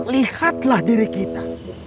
lihatlah diri kita